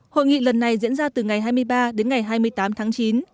hội nghị lần này diễn ra từ ngày hai mươi ba đến ngày hai mươi tám tháng chín